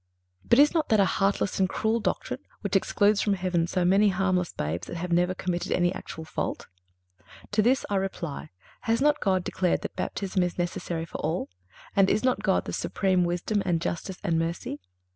_ But is not that a cruel and heartless doctrine which excludes from heaven so many harmless babes that have never committed any actual fault? To this I reply: Has not God declared that Baptism is necessary for all? And is not God the supreme Wisdom and Justice and Mercy?